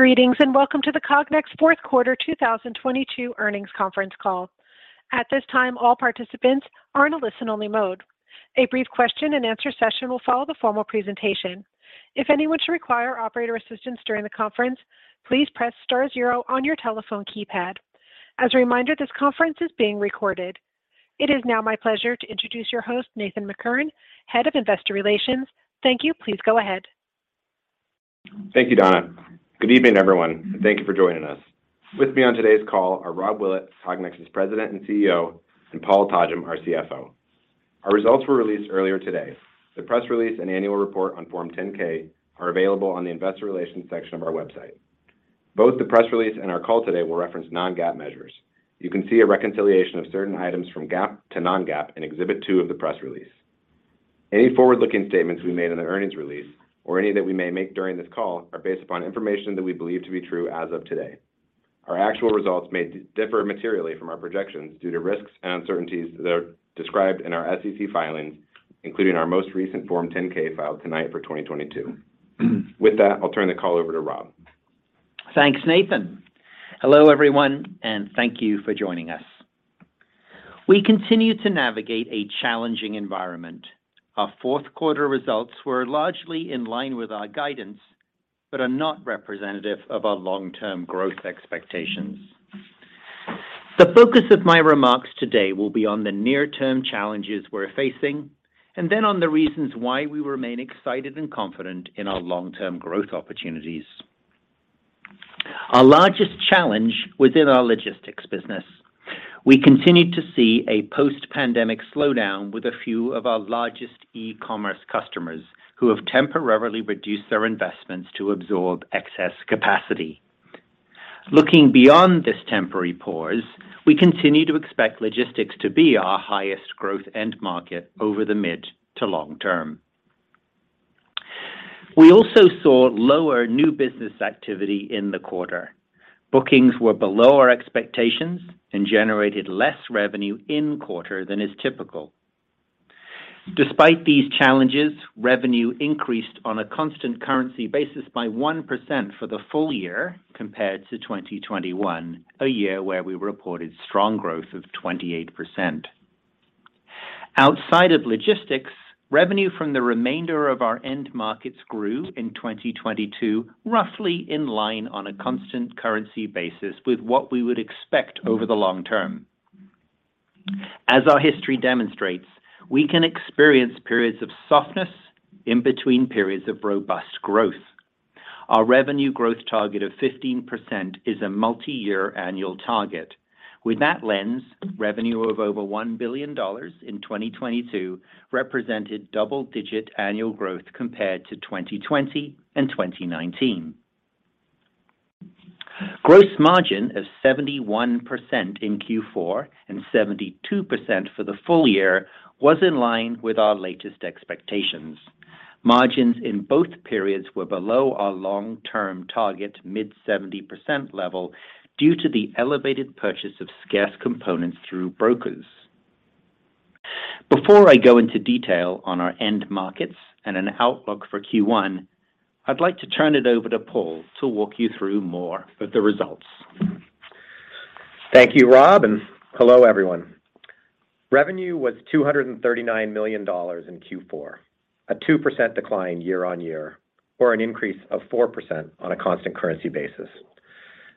Greetings, and welcome to the Cognex fourth quarter 2022 earnings conference call. At this time, all participants are in a listen-only mode. A brief question and answer session will follow the formal presentation. If anyone should require operator assistance during the conference, please press star 0 on your telephone keypad. As a reminder, this conference is being recorded. It is now my pleasure to introduce your host, Nathan McKern, Head of Investor Relations. Thank you. Please go ahead. Thank you, Donna. Good evening, everyone, thank you for joining us. With me on today's call are Robert Willett, Cognex's President and CEO, and Paul Todgham, our CFO. Our results were released earlier today. The press release and annual report on Form 10-K are available on the investor relations section of our website. Both the press release and our call today will reference non-GAAP measures. You can see a reconciliation of certain items from GAAP to non-GAAP in Exhibit 2 of the press release. Any forward-looking statements we made in the earnings release or any that we may make during this call are based upon information that we believe to be true as of today. Our actual results may differ materially from our projections due to risks and uncertainties that are described in our SEC filings, including our most recent Form 10-K filed tonight for 2022. With that, I'll turn the call over to Rob. Thanks, Nathan. Hello, everyone, and thank you for joining us. We continue to navigate a challenging environment. Our fourth quarter results were largely in line with our guidance, but are not representative of our long-term growth expectations. The focus of my remarks today will be on the near-term challenges we're facing and then on the reasons why we remain excited and confident in our long-term growth opportunities. Our largest challenge was in our logistics business. We continued to see a post-pandemic slowdown with a few of our largest e-commerce customers who have temporarily reduced their investments to absorb excess capacity. Looking beyond this temporary pause, we continue to expect logistics to be our highest growth end market over the mid to long term. We also saw lower new business activity in the quarter. Bookings were below our expectations and generated less revenue in quarter than is typical. Despite these challenges, revenue increased on a constant currency basis by 1% for the full year compared to 2021, a year where we reported strong growth of 28%. Outside of logistics, revenue from the remainder of our end markets grew in 2022, roughly in line on a constant currency basis with what we would expect over the long term. As our history demonstrates, we can experience periods of softness in between periods of robust growth. Our revenue growth target of 15% is a multi-year annual target. With that lens, revenue of over $1 billion in 2022 represented double-digit annual growth compared to 2020 and 2019. Gross margin of 71% in Q4 and 72% for the full year was in line with our latest expectations. Margins in both periods were below our long-term target mid-70% level due to the elevated purchase of scarce components through brokers. Before I go into detail on our end markets and an outlook for Q1, I'd like to turn it over to Paul to walk you through more of the results. Thank you, Rob. Hello, everyone. Revenue was $239 million in Q4, a 2% decline year-over-year, or an increase of 4% on a constant currency basis.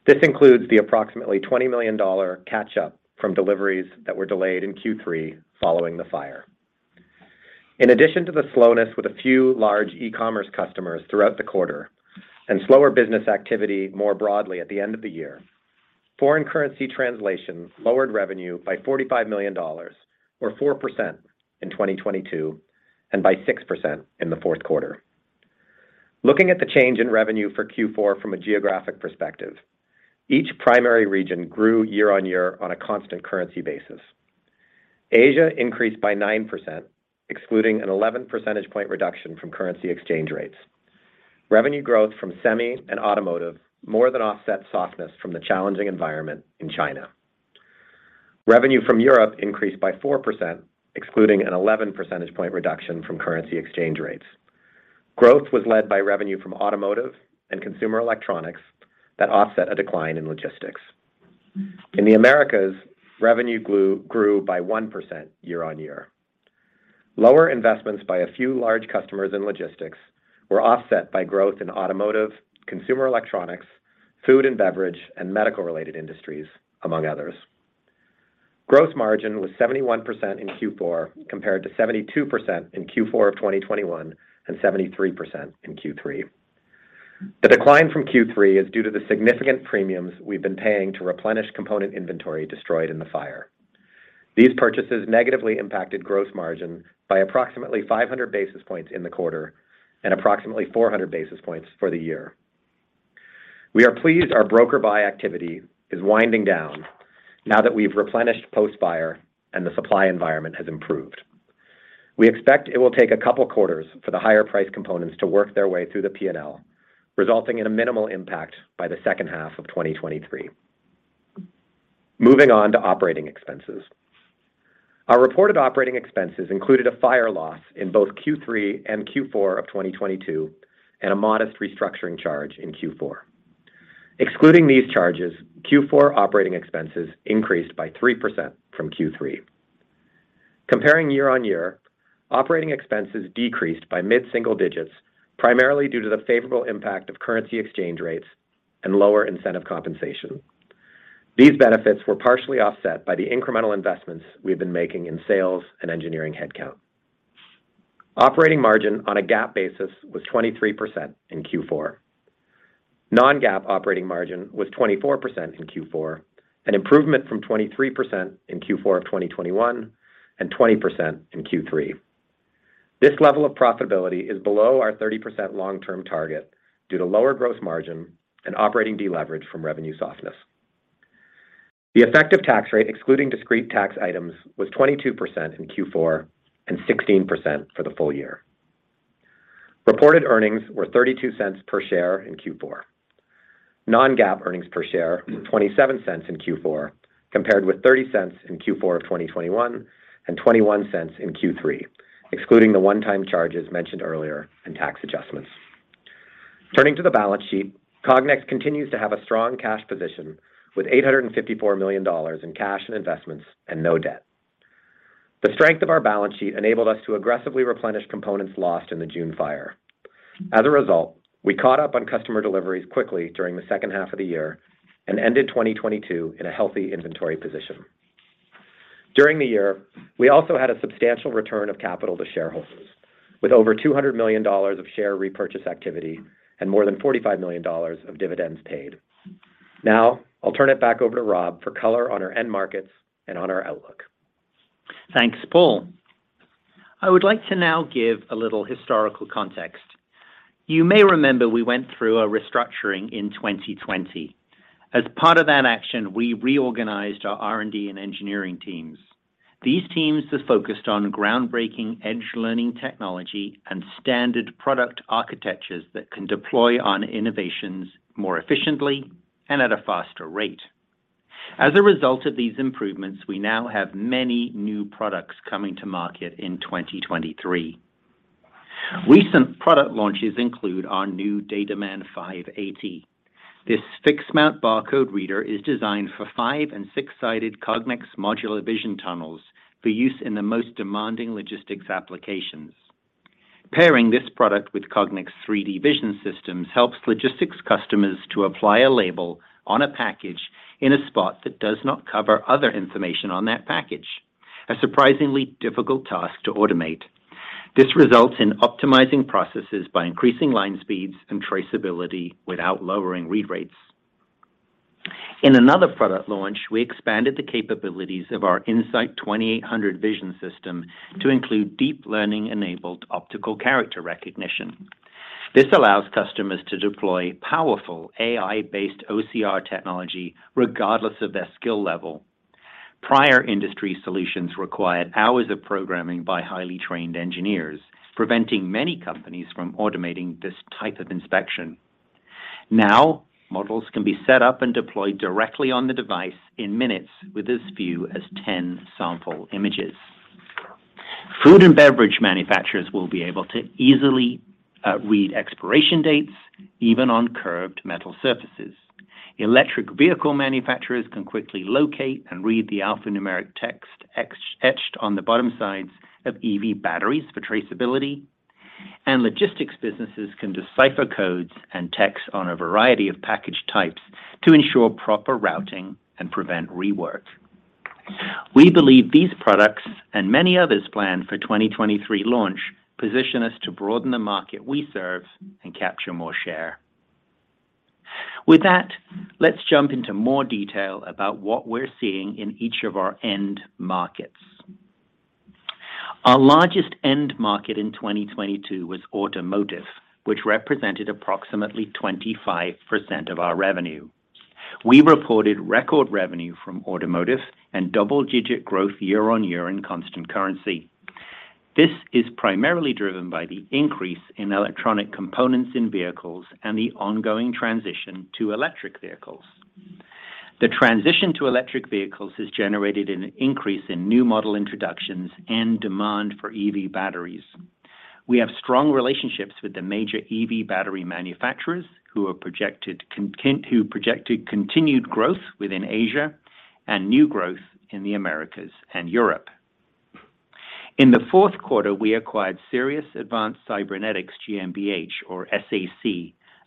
This includes the approximately $20 million catch-up from deliveries that were delayed in Q3 following the fire. In addition to the slowness with a few large e-commerce customers throughout the quarter and slower business activity more broadly at the end of the year, foreign currency translation lowered revenue by $45 million or 4% in 2022, and by 6% in the fourth quarter. Looking at the change in revenue for Q4 from a geographic perspective, each primary region grew year-over-year on a constant currency basis. Asia increased by 9%, excluding an 11 percentage point reduction from currency exchange rates. Revenue growth from semi and automotive more than offset softness from the challenging environment in China. Revenue from Europe increased by 4%, excluding an 11 percentage point reduction from currency exchange rates. Growth was led by revenue from automotive and consumer electronics that offset a decline in logistics. In the Americas, revenue grew by 1% year-over-year. Lower investments by a few large customers in logistics were offset by growth in automotive, consumer electronics, food and beverage, and medical-related industries, among others. Gross margin was 71% in Q4 compared to 72% in Q4 of 2021 and 73% in Q3. The decline from Q3 is due to the significant premiums we've been paying to replenish component inventory destroyed in the fire. These purchases negatively impacted gross margin by approximately 500 basis points in the quarter and approximately 400 basis points for the year. We are pleased our broker buy activity is winding down now that we've replenished post-fire and the supply environment has improved. We expect it will take a couple quarters for the higher priced components to work their way through the P&L, resulting in a minimal impact by the second half of 2023. Moving on to operating expenses. Our reported operating expenses included a fire loss in both Q3 and Q4 of 2022 and a modest restructuring charge in Q4. Excluding these charges, Q4 operating expenses increased by 3% from Q3. Comparing year-over-year, operating expenses decreased by mid-single digits, primarily due to the favorable impact of currency exchange rates and lower incentive compensation. These benefits were partially offset by the incremental investments we've been making in sales and engineering headcount. Operating margin on a GAAP basis was 23% in Q4. Non-GAAP operating margin was 24% in Q4, an improvement from 23% in Q4 of 2021 and 20% in Q3. This level of profitability is below our 30% long-term target due to lower gross margin and operating deleverage from revenue softness. The effective tax rate, excluding discrete tax items, was 22% in Q4 and 16% for the full year. Reported earnings were $0.32 per share in Q4. Non-GAAP earnings per share, $0.27 in Q4, compared with $0.30 in Q4 of 2021 and $0.21 in Q3, excluding the one-time charges mentioned earlier and tax adjustments. Turning to the balance sheet, Cognex continues to have a strong cash position with $854 million in cash and investments and no debt. The strength of our balance sheet enabled us to aggressively replenish components lost in the June fire. As a result, we caught up on customer deliveries quickly during the second half of the year and ended 2022 in a healthy inventory position. During the year, we also had a substantial return of capital to shareholders with over $200 million of share repurchase activity and more than $45 million of dividends paid. Now, I'll turn it back over to Rob for color on our end markets and on our outlook. Thanks, Paul. I would like to now give a little historical context. You may remember we went through a restructuring in 2020. As part of that action, we reorganized our R&D and engineering teams. These teams have focused on groundbreaking Edge Learning technology and standard product architectures that can deploy on innovations more efficiently and at a faster rate. As a result of these improvements, we now have many new products coming to market in 2023. Recent product launches include our new DataMan 580. This fixed mount barcode reader is designed for 5 and 6-sided Cognex Modular Vision Tunnels for use in the most demanding logistics applications. Pairing this product with Cognex 3D vision systems helps logistics customers to apply a label on a package in a spot that does not cover other information on that package, a surprisingly difficult task to automate. This results in optimizing processes by increasing line speeds and traceability without lowering read rates. In another product launch, we expanded the capabilities of our In-Sight 2800 vision system to include Deep Learning-enabled optical character recognition. This allows customers to deploy powerful AI-based OCR technology regardless of their skill level. Prior industry solutions required hours of programming by highly trained engineers, preventing many companies from automating this type of inspection. Now, models can be set up and deployed directly on the device in minutes with as few as 10 sample images. Food and beverage manufacturers will be able to easily read expiration dates even on curved metal surfaces. Electric vehicle manufacturers can quickly locate and read the alphanumeric text etched on the bottom sides of EV batteries for traceability. Logistics businesses can decipher codes and text on a variety of package types to ensure proper routing and prevent rework. We believe these products and many others planned for 2023 launch position us to broaden the market we serve and capture more share. With that, let's jump into more detail about what we're seeing in each of our end markets. Our largest end market in 2022 was automotive, which represented approximately 25% of our revenue. We reported record revenue from automotive and double-digit growth year-on-year in constant currency. This is primarily driven by the increase in electronic components in vehicles and the ongoing transition to electric vehicles. The transition to electric vehicles has generated an increase in new model introductions and demand for EV batteries. We have strong relationships with the major EV battery manufacturers who projected continued growth within Asia and new growth in the Americas and Europe. In the fourth quarter, we acquired Sirius Advanced Cybernetics GmbH or SAC,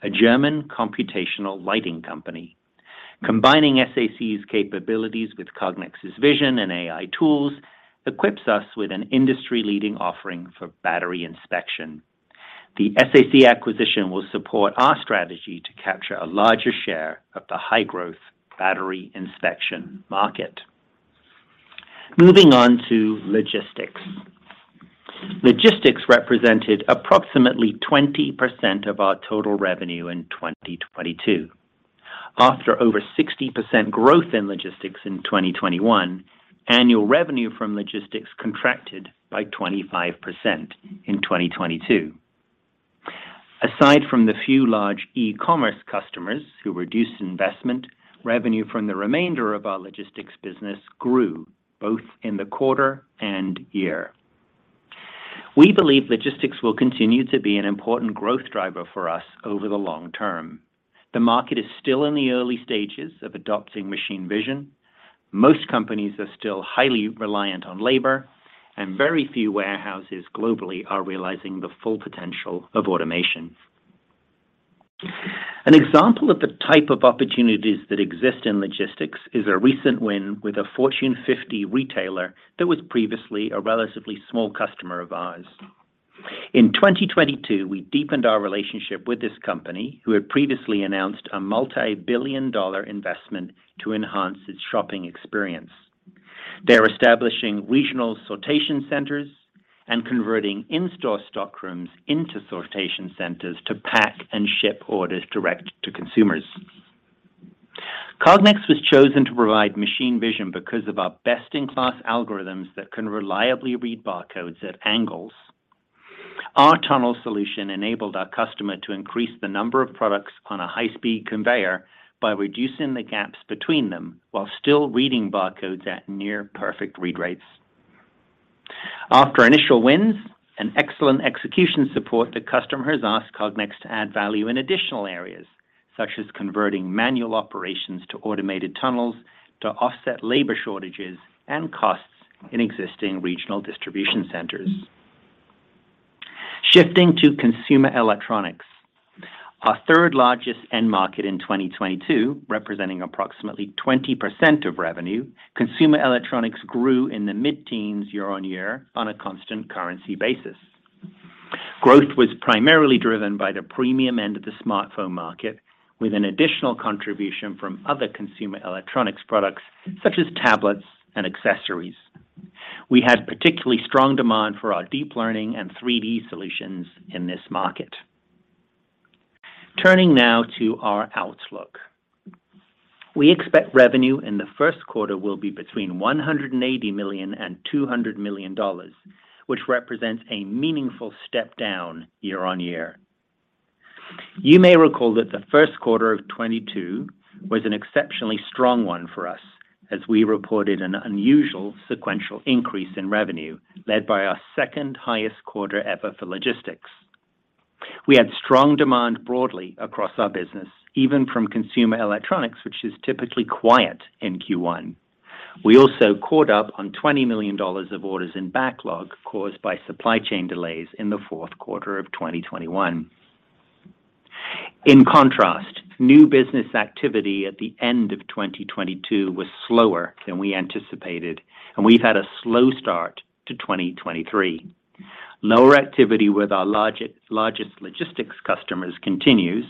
a German computational lighting company. Combining SAC's capabilities with Cognex's vision and AI tools equips us with an industry-leading offering for battery inspection. The SAC acquisition will support our strategy to capture a larger share of the high-growth battery inspection market. Moving on to logistics. Logistics represented approximately 20% of our total revenue in 2022. After over 60% growth in logistics in 2021, annual revenue from logistics contracted by 25% in 2022. Aside from the few large e-commerce customers who reduced investment, revenue from the remainder of our logistics business grew both in the quarter and year. We believe logistics will continue to be an important growth driver for us over the long term. The market is still in the early stages of adopting machine vision. Most companies are still highly reliant on labor. Very few warehouses globally are realizing the full potential of automation. An example of the type of opportunities that exist in logistics is a recent win with a Fortune 50 retailer that was previously a relatively small customer of ours. In 2022, we deepened our relationship with this company who had previously announced a multi-billion dollar investment to enhance its shopping experience. They're establishing regional sortation centers and converting in-store stock rooms into sortation centers to pack and ship orders direct to consumers. Cognex was chosen to provide machine vision because of our best-in-class algorithms that can reliably read barcodes at angles. Our tunnel solution enabled our customer to increase the number of products on a high-speed conveyor by reducing the gaps between them while still reading barcodes at near perfect read rates. After initial wins and excellent execution support, the customer has asked Cognex to add value in additional areas, such as converting manual operations to automated tunnels to offset labor shortages and costs in existing regional distribution centers. Shifting to consumer electronics. Our third-largest end market in 2022, representing approximately 20% of revenue, consumer electronics grew in the mid-teens year-on-year on a constant currency basis. Growth was primarily driven by the premium end of the smartphone market, with an additional contribution from other consumer electronics products such as tablets and accessories. We had particularly strong demand for our deep learning and 3D solutions in this market. Turning now to our outlook. We expect revenue in the first quarter will be between $180 million and $200 million, which represents a meaningful step down year-on-year. You may recall that the first quarter of 2022 was an exceptionally strong one for us as we reported an unusual sequential increase in revenue led by our second-highest quarter ever for logistics. We had strong demand broadly across our business, even from consumer electronics, which is typically quiet in Q1. We also caught up on $20 million of orders in backlog caused by supply chain delays in the fourth quarter of 2021. In contrast, new business activity at the end of 2022 was slower than we anticipated, and we've had a slow start to 2023. Lower activity with our largest logistics customers continues,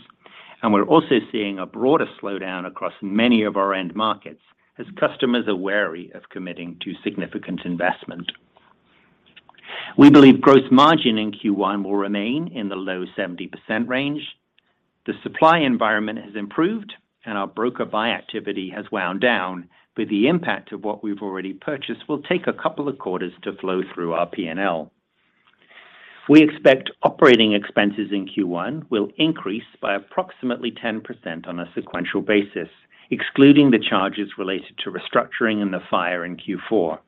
and we're also seeing a broader slowdown across many of our end markets as customers are wary of committing to significant investment. We believe gross margin in Q1 will remain in the low 70% range. The supply environment has improved and our broker buy activity has wound down, but the impact of what we've already purchased will take a couple of quarters to flow through our P&L. We expect operating expenses in Q1 will increase by approximately 10% on a sequential basis, excluding the charges related to restructuring and the fire in Q4.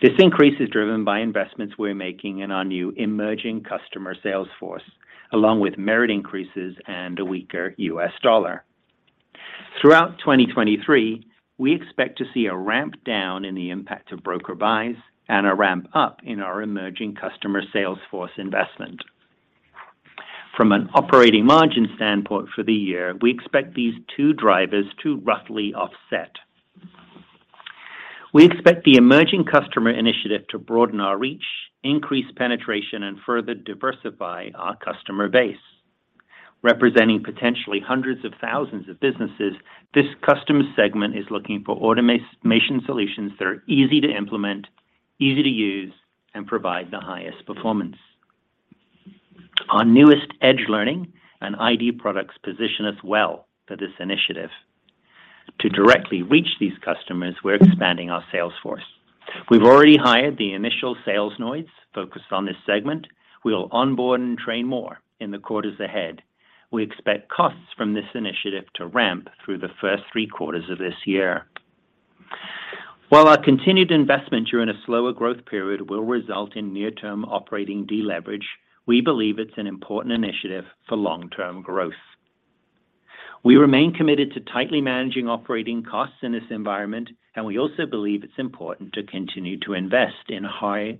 This increase is driven by investments we're making in our new emerging customer sales force, along with merit increases and a weaker US dollar. Throughout 2023, we expect to see a ramp down in the impact of broker buys and a ramp up in our emerging customer sales force investment. From an operating margin standpoint for the year, we expect these two drivers to roughly offset. We expect the emerging customer initiative to broaden our reach, increase penetration, and further diversify our customer base. Representing potentially hundreds of thousands of businesses, this customer segment is looking for automation solutions that are easy to implement, easy to use, and provide the highest performance. Our newest Edge Learning and ID products position us well for this initiative. To directly reach these customers, we're expanding our sales force. We've already hired the initial salesoids focused on this segment. We will onboard and train more in the quarters ahead. We expect costs from this initiative to ramp through the first three quarters of this year. While our continued investment during a slower growth period will result in near term operating deleverage, we believe it's an important initiative for long-term growth. We remain committed to tightly managing operating costs in this environment. We also believe it's important to continue to invest in high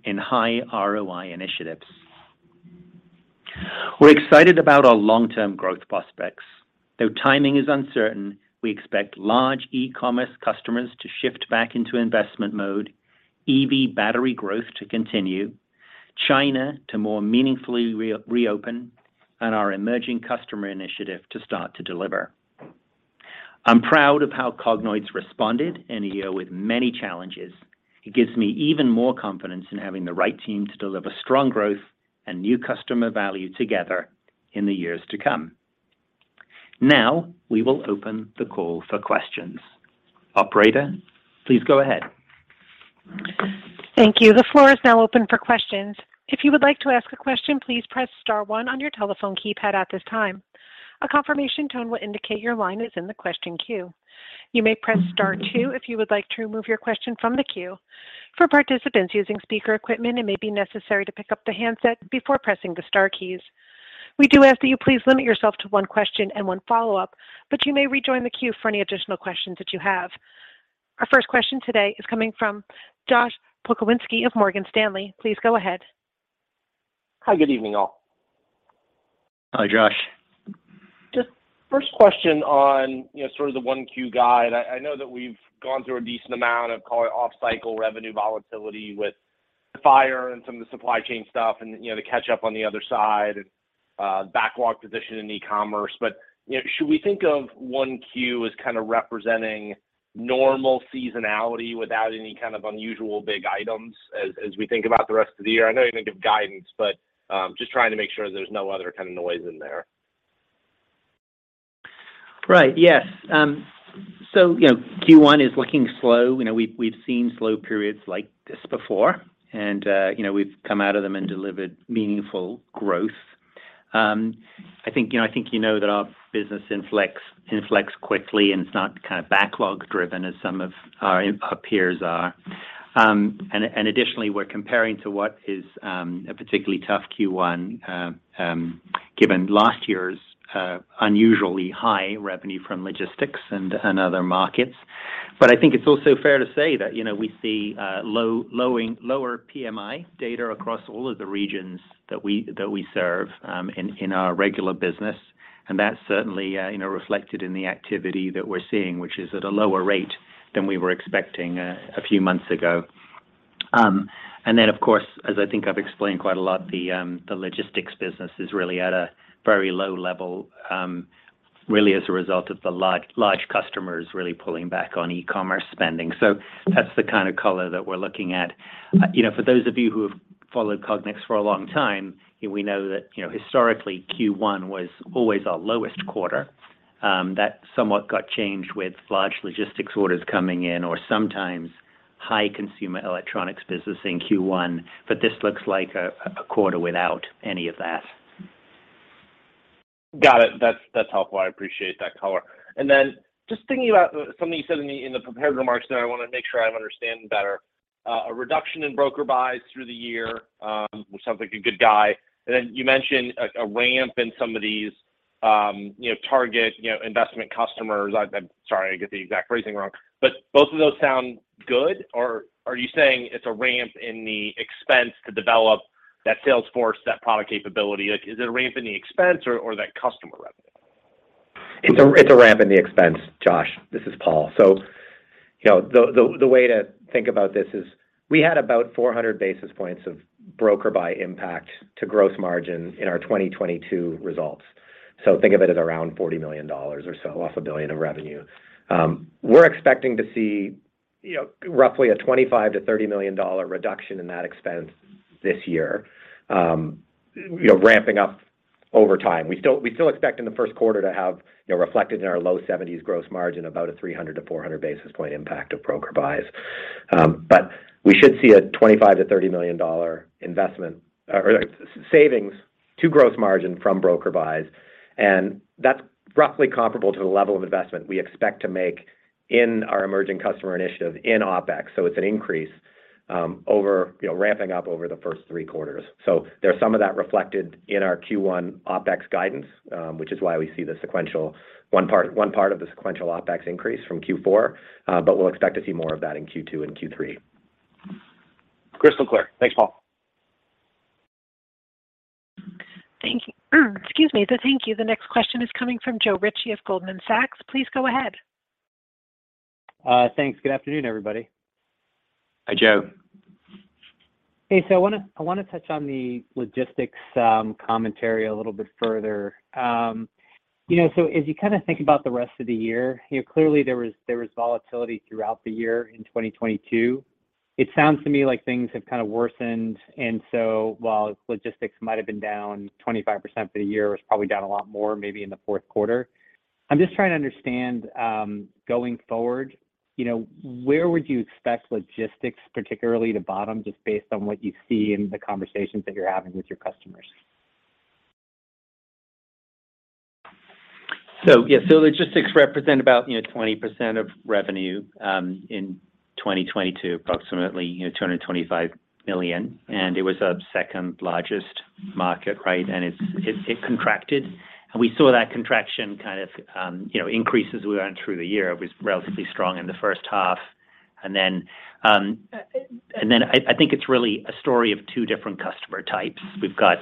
ROI initiatives. We're excited about our long-term growth prospects. Though timing is uncertain, we expect large e-commerce customers to shift back into investment mode, EV battery growth to continue, China to more meaningfully reopen, and our emerging customer initiative to start to deliver. I'm proud of how Cognoids responded in a year with many challenges. It gives me even more confidence in having the right team to deliver strong growth and new customer value together in the years to come. We will open the call for questions. Operator, please go ahead. Thank you. The floor is now open for questions. If you would like to ask a question, please press star one on your telephone keypad at this time. A confirmation tone will indicate your line is in the question queue. You may press star two if you would like to remove your question from the queue. For participants using speaker equipment, it may be necessary to pick up the handset before pressing the star keys. We do ask that you please limit yourself to 1 question and 1 follow-up, but you may rejoin the queue for any additional questions that you have. Our first question today is coming from Josh Pokrzywinski of Morgan Stanley. Please go ahead. Hi. Good evening, all. Hi, Josh. Just first question on, you know, sort of the 1Q guide. I know that we've gone through a decent amount of call off-cycle revenue volatility with fire and some of the supply chain stuff and backlog position in e-commerce. You know, should we think of 1Q as kind of representing normal seasonality without any kind of unusual big items as we think about the rest of the year? I know you didn't give guidance, but just trying to make sure there's no other kind of noise in there. Right. Yes. You know, Q1 is looking slow. You know, we've seen slow periods like this before, and you know, we've come out of them and delivered meaningful growth. I think, you know, I think you know that our business inflects quickly, and it's not kind of backlog driven as some of our peers are. Additionally, we're comparing to what is a particularly tough Q1 given last year's unusually high revenue from logistics and other markets. I think it's also fair to say that, you know, we see lower PMI data across all of the regions that we serve in our regular business. That's certainly, you know, reflected in the activity that we're seeing, which is at a lower rate than we were expecting, a few months ago. Then of course, as I think I've explained quite a lot, the logistics business is really at a very low level, really as a result of the large customers really pulling back on e-commerce spending. That's the kind of color that we're looking at. You know, for those of you who have followed Cognex for a long time, you know, we know that, you know, historically, Q1 was always our lowest quarter. That somewhat got changed with large logistics orders coming in, or sometimes high consumer electronics business in Q1, but this looks like a quarter without any of that. Got it. That's helpful. I appreciate that color. Just thinking about something you said in the, in the prepared remarks there, I want to make sure I'm understanding better. A reduction in broker buys through the year, which sounds like a good guide. You mentioned a ramp in some of these, you know, target, you know, investment customers. I'm sorry, I get the exact phrasing wrong, but both of those sound good? Are you saying it's a ramp in the expense to develop that sales force, that product capability? Like, is it a ramp in the expense or that customer revenue? It's a ramp in the expense, Josh. This is Paul. You know, the way to think about this is we had about 400 basis points of broker buy impact to gross margin in our 2022 results. Think of it as around $40 million or so off $1 billion of revenue. We're expecting to see, you know, roughly a $25 million-$30 million reduction in that expense this year, you know, ramping up over time. We still expect in the first quarter to have, you know, reflected in our low 70s gross margin about a 300-400 basis point impact of broker buys. We should see a $25 million-$30 million investment or savings to gross margin from broker buys, and that's roughly comparable to the level of investment we expect to make in our emerging customer initiative in OpEx. It's an increase, you know, ramping up over the first three quarters. There's some of that reflected in our Q1 OpEx guidance, which is why we see the sequential one part of the sequential OpEx increase from Q4. We'll expect to see more of that in Q2 and Q3. Crystal clear. Thanks, Paul. Thank you. Excuse me. Thank you. The next question is coming from Joe Ritchie of Goldman Sachs. Please go ahead. Thanks. Good afternoon, everybody. Hi, Joe. Hey. I wanna touch on the logistics commentary a little bit further. You know, as you kind of think about the rest of the year, you know, clearly there was volatility throughout the year in 2022. It sounds to me like things have kind of worsened. While logistics might have been down 25% for the year, it was probably down a lot more maybe in the fourth quarter. I'm just trying to understand, going forward, you know, where would you expect logistics, particularly to bottom, just based on what you see in the conversations that you're having with your customers? Yeah. Logistics represent about, you know, 20% of revenue in 2022, approximately, you know, $225 million. It was our second largest market, right? It contracted, and we saw that contraction kind of, you know, increase as we went through the year. It was relatively strong in the first half. Then I think it's really a story of two different customer types. We've got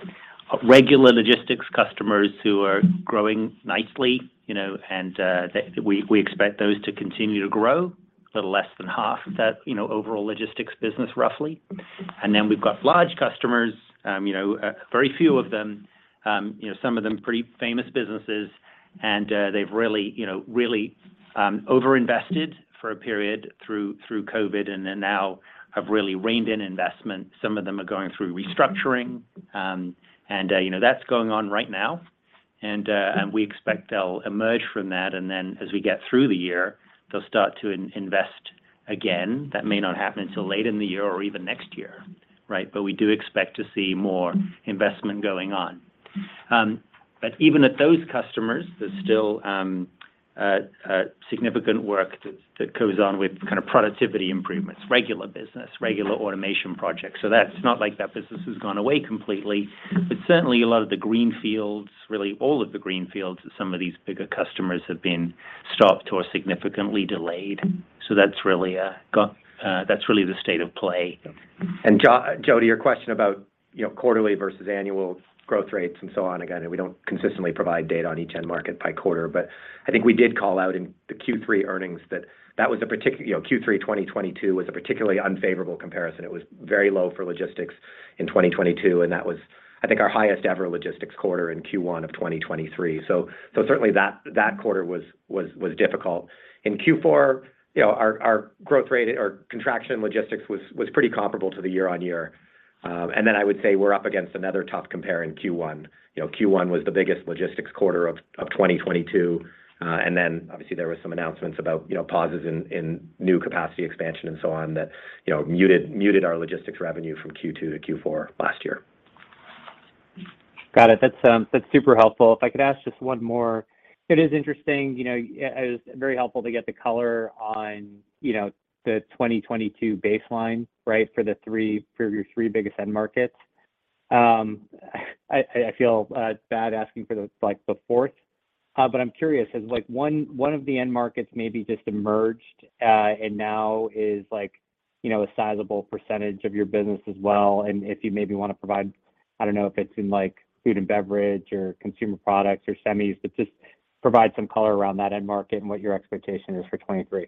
regular logistics customers who are growing nicely, you know, and that we expect those to continue to grow a little less than half that, you know, overall logistics business roughly. Then we've got large customers, you know, very few of them, you know, some of them pretty famous businesses and they've really, you know, really, over-invested for a period through COVID and then now have really reined in investment. Some of them are going through restructuring, and you know that's going on right now. We expect they'll emerge from that, and then as we get through the year, they'll start to in-invest again. That may not happen until late in the year or even next year, right? We do expect to see more investment going on. But even at those customers, there's still significant work that goes on with kind of productivity improvements, regular business, regular automation projects. That's not like that business has gone away completely. Certainly a lot of the green fields, really all of the green fields at some of these bigger customers have been stopped or significantly delayed. That's really the state of play. Joe, to your question about, you know, quarterly versus annual growth rates and so on, again, we don't consistently provide data on each end market by quarter. I think we did call out in the Q3 earnings. You know, Q3 2022 was a particularly unfavorable comparison. It was very low for logistics in 2022, and that was, I think, our highest ever logistics quarter in Q1 of 2023. Certainly that quarter was difficult. In Q4, you know, our growth rate or contraction logistics was pretty comparable to the year-over-year. Then I would say we're up against another tough compare in Q1. You know, Q1 was the biggest logistics quarter of 2022. Obviously there were some announcements about, you know, pauses in new capacity expansion and so on that, you know, muted our logistics revenue from Q2 to Q4 last year. Got it. That's super helpful. If I could ask just one more. It is interesting, you know, it was very helpful to get the color on, you know, the 2022 baseline, right, for your three biggest end markets. I, I feel bad asking for the, like, the fourth, but I'm curious, has like one of the end markets maybe just emerged, and now is like, you know, a sizable percentage of your business as well? If you maybe want to provide, I don't know if it's in like food and beverage or consumer products or semis, but just provide some color around that end market and what your expectation is for 2023.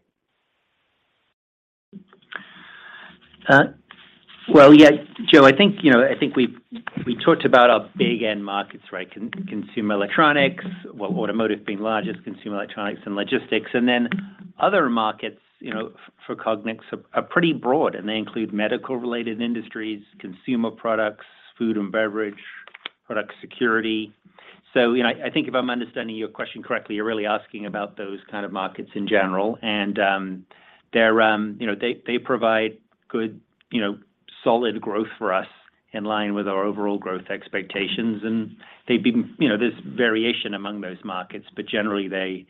Well, yeah, Joe, I think, you know, I think we've, we talked about our big end markets, right? consumer electronics, well, automotive being largest, consumer electronics and logistics. Other markets, you know, for Cognex are pretty broad, and they include medical-related industries, consumer products, food and beverage, product security. You know, I think if I'm understanding your question correctly, you're really asking about those kind of markets in general. they're, you know, they provide good, you know, solid growth for us in line with our overall growth expectations. You know, there's variation among those markets, but generally they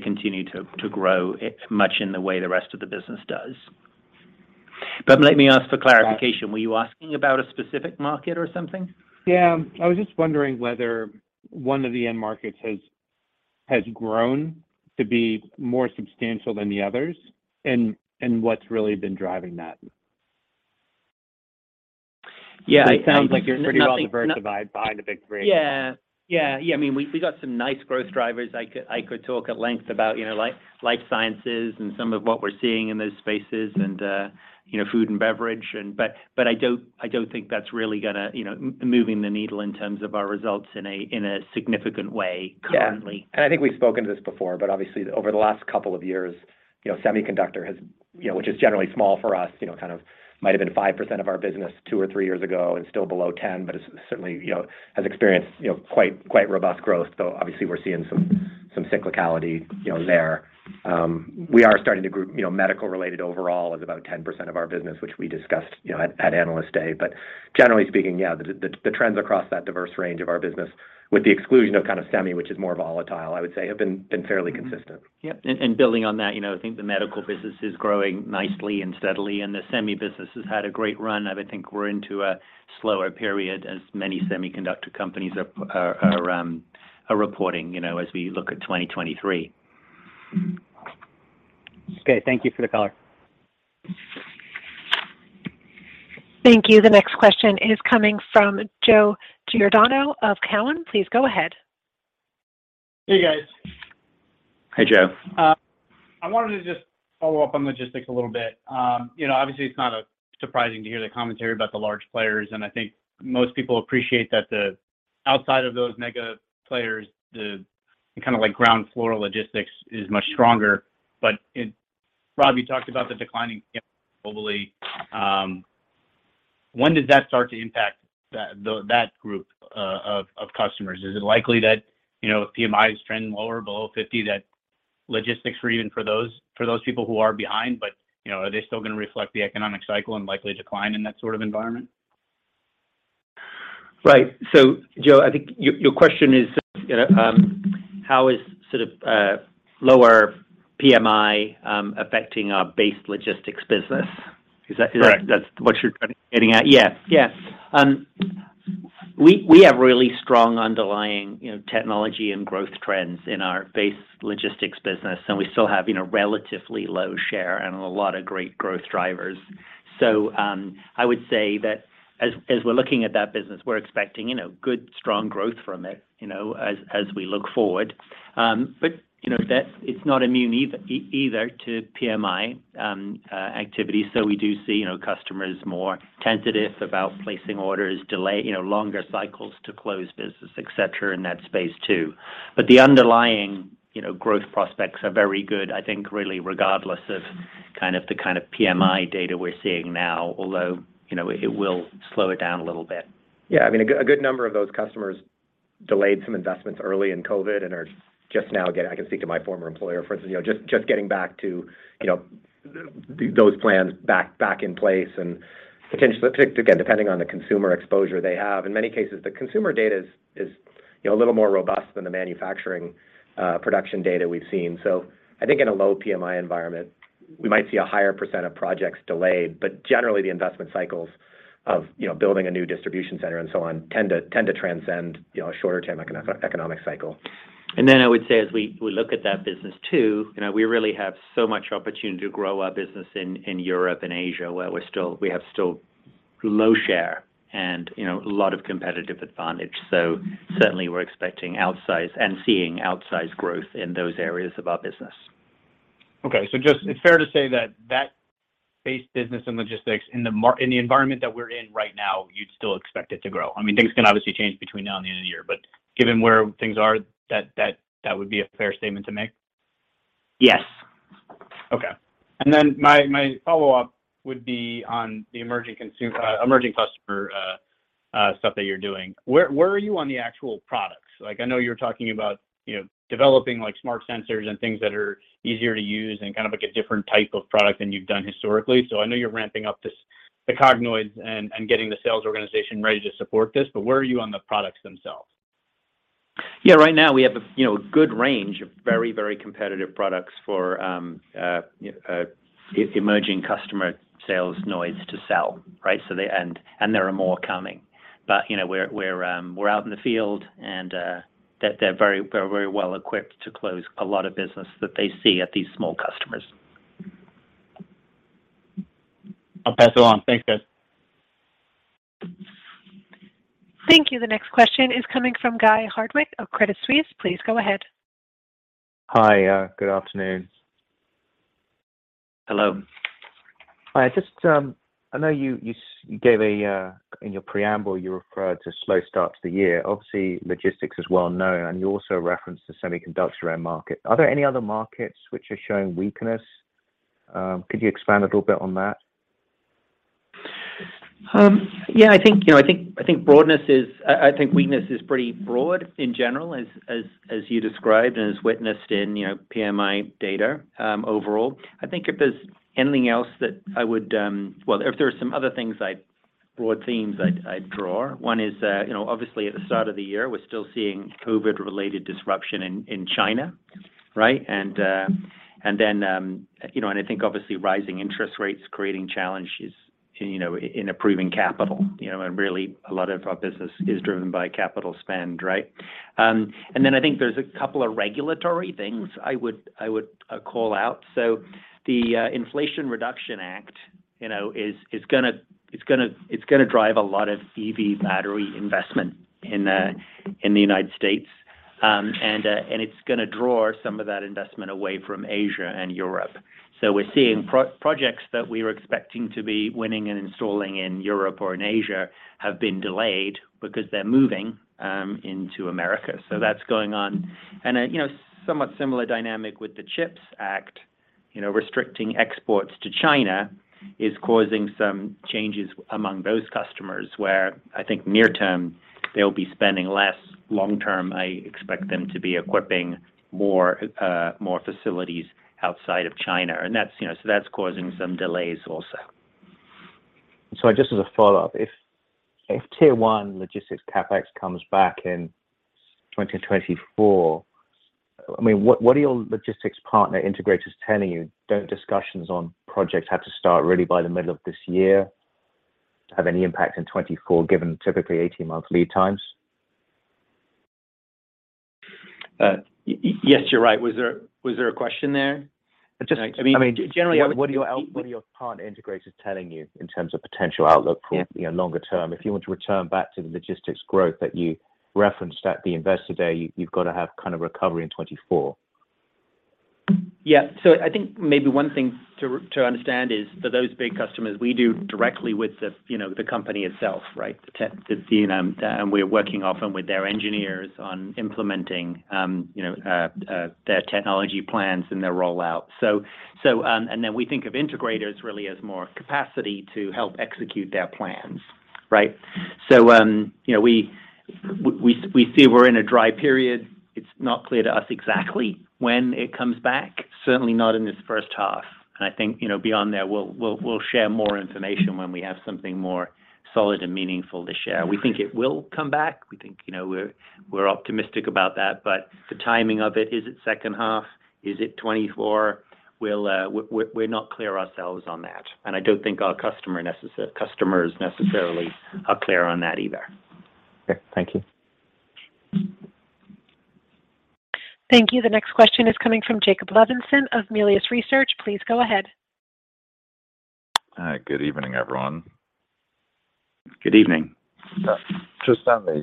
continue to grow much in the way the rest of the business does. Let me ask for clarification. Were you asking about a specific market or something? Yeah. I was just wondering whether one of the end markets has grown to be more substantial than the others, and what's really been driving that. Yeah. It sounds like you're pretty well diversified behind the big three. Yeah. Yeah. Yeah, I mean, we got some nice growth drivers I could talk at length about, you know, life sciences and some of what we're seeing in those spaces and, you know, food and beverage. But I don't think that's really gonna, you know, moving the needle in terms of our results in a significant way currently. Yeah. I think we've spoken to this before, but obviously over the last couple of years, you know, semiconductor has, you know, which is generally small for us, you know, kind of might have been 5% of our business 2 or 3 years ago and still below 10, but it's certainly, you know, has experienced quite robust growth. Obviously we're seeing some cyclicality, you know, there. We are starting to group, you know, medical related overall as about 10% of our business, which we discussed, you know, at Analyst Day. Generally speaking, yeah, the trends across that diverse range of our business, with the exclusion of kind of semi, which is more volatile, I would say, have been fairly consistent. Yeah. Building on that, you know, I think the medical business is growing nicely and steadily. The semi business has had a great run. I think we're into a slower period as many semiconductor companies are reporting, you know, as we look at 2023. Okay. Thank you for the color. Thank you. The next question is coming from Joe Giordano of Cowen. Please go ahead. Hey, guys. Hey, Joe. I wanted to just follow up on logistics a little bit. You know, obviously it's not surprising to hear the commentary about the large players, I think most people appreciate that outside of those mega players, the kind of like ground floor logistics is much stronger. Rob, you talked about the declining globally. When does that start to impact that group of customers? Is it likely that, you know, if PMI is trending lower below 50, that logistics for even for those, for those people who are behind, but, you know, are they still gonna reflect the economic cycle and likely decline in that sort of environment? Right. Joe, I think your question is, you know, how is sort of lower PMI affecting our base logistics business? Correct. Is that what you're trying to getting at? Yeah. Yeah. We have really strong underlying, you know, technology and growth trends in our base logistics business, and we still have, you know, relatively low share and a lot of great growth drivers. I would say that as we're looking at that business, we're expecting, you know, good, strong growth from it, you know, as we look forward. That it's not immune either to PMI activity. We do see, you know, customers more tentative about placing orders, delay, you know, longer cycles to close business, et cetera, in that space too. The underlying, you know, growth prospects are very good, I think really regardless of kind of the kind of PMI data we're seeing now, although, you know, it will slow it down a little bit. Yeah. I mean, a good number of those customers delayed some investments early in COVID and are just now getting. I can speak to my former employer, for instance, you know, just getting back to, you know, those plans back in place and again, depending on the consumer exposure they have. In many cases, the consumer data is, you know, a little more robust than the manufacturing production data we've seen. I think in a low PMI environment, we might see a higher % of projects delayed, but generally the investment cycles of, you know, building a new distribution center and so on tend to transcend, you know, a shorter term economic cycle. I would say as we look at that business too, you know, we really have so much opportunity to grow our business in Europe and Asia where we have still low share and, you know, a lot of competitive advantage. Certainly we're expecting outsized and seeing outsized growth in those areas of our business. Just it's fair to say that that base business and logistics in the environment that we're in right now, you'd still expect it to grow. I mean, things can obviously change between now and the end of the year, but given where things are that would be a fair statement to make. Yes. Okay. My, my follow-up would be on the emerging customer stuff that you're doing. Where are you on the actual products? Like, I know you're talking about, you know, developing like smart sensors and things that are easier to use and kind of like a different type of product than you've done historically. I know you're ramping up this, the Cognoids and getting the sales organization ready to support this, but where are you on the products themselves? Yeah. Right now we have a, you know, a good range of very, very competitive products for emerging customer salesoids to sell, right? There are more coming. You know, we're out in the field and they're very, very well equipped to close a lot of business that they see at these small customers. I'll pass it on. Thanks, guys. Thank you. The next question is coming from Guy Hardwick of Credit Suisse. Please go ahead. Hi. Good afternoon. Hello. Hi. I know you gave a in your preamble, you referred to slow start to the year. Obviously, logistics is well known, and you also referenced the semiconductor end market. Are there any other markets which are showing weakness? Could you expand a little bit on that? Yeah, I think, you know, broadness is... I think weakness is pretty broad in general as you described and as witnessed in, you know, PMI data overall. I think if there's anything else that I would... Well, if there are some other things broad themes I'd draw. One is, you know, obviously at the start of the year, we're still seeing COVID-related disruption in China, right? Then, I think obviously rising interest rates creating challenges, you know, in approving capital. Really a lot of our business is driven by capital spend, right? Then I think there's a couple of regulatory things I would call out. The Inflation Reduction Act, you know, is gonna drive a lot of EV battery investment in the United States. It's gonna draw some of that investment away from Asia and Europe. We're seeing projects that we were expecting to be winning and installing in Europe or in Asia have been delayed because they're moving into America. That's going on. You know, somewhat similar dynamic with the CHIPS Act, you know, restricting exports to China is causing some changes among those customers, where I think near term they'll be spending less. Long term, I expect them to be equipping more facilities outside of China. That's, you know, that's causing some delays also. Just as a follow-up, if tier one logistics CapEx comes back in 2024, I mean, what are your logistics partner integrators telling you? Don't discussions on projects have to start really by the middle of this year have any impact in 2024, given typically 18-month lead times? yes, you're right. Was there a question there? Just, I mean I mean, generally- What are your partner integrators telling you in terms of potential outlook for? Yeah... you know, longer term? If you want to return back to the logistics growth that you referenced at the Investor Day, you've got to have kind of recovery in 2024. I think maybe one thing to understand is for those big customers, we do directly with the company itself, right? To see them, we're working often with their engineers on implementing their technology plans and their rollout. We think of integrators really as more capacity to help execute their plans, right? We see we're in a dry period. It's not clear to us exactly when it comes back, certainly not in this first half. I think, beyond there, we'll share more information when we have something more solid and meaningful to share. We think it will come back. We think we're optimistic about that. The timing of it, is it second half? Is it 2024? We'll, we're not clear ourselves on that, and I don't think our customers necessarily are clear on that either. Okay. Thank you. Thank you. The next question is coming from Jake Levinson of Melius Research. Please go ahead. Hi. Good evening, everyone. Good evening. Just on the,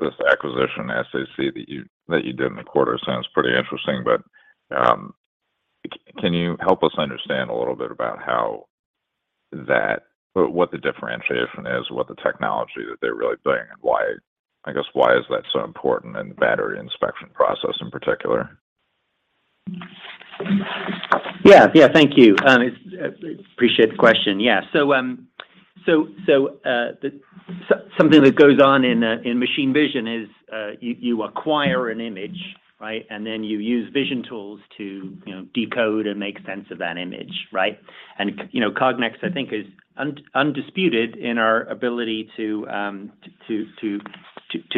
this acquisition, SAC, that you did in the quarter sounds pretty interesting. Can you help us understand a little bit about what the differentiation is, what the technology that they're really doing, and why, I guess, why is that so important in the battery inspection process in particular? Yeah. Yeah. Thank you. Appreciate the question. Something that goes on in machine vision is you acquire an image, right? You use vision tools to, you know, decode and make sense of that image, right? You know, Cognex, I think is undisputed in our ability to